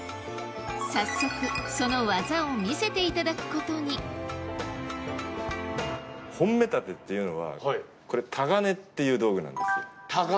早速その技を見せていただくことに本目立てっていうのはこれ鏨っていう道具なんですよ。